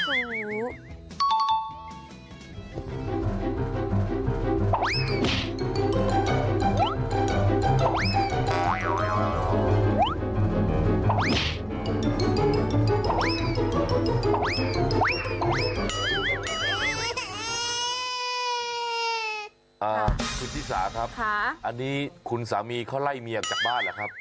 คุณชิสาครับอันนี้คุณสามีเขาไล่เมียออกจากบ้านเหรอครับ